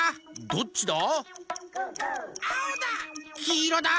「どっちだ？」